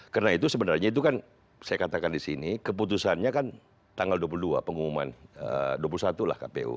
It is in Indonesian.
karena itu sebenarnya itu kan saya katakan di sini keputusannya kan tanggal dua puluh dua pengumuman dua puluh satu lah kpu